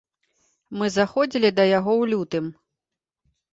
Мы заходзілі да яго ў лютым.